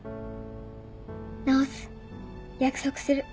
治す約束する。